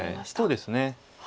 そうですね。